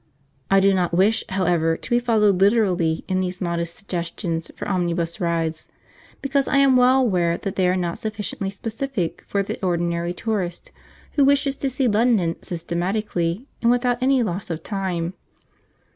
I do not wish, however, to be followed literally in these modest suggestions for omnibus rides, because I am well aware that they are not sufficiently specific for the ordinary tourist who wishes to see London systematically and without any loss of time.